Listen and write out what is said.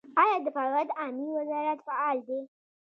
آیا د فواید عامې وزارت فعال دی؟